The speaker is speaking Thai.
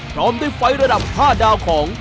พร้อมด้วยไฟล์ระดับ๕ดาวของ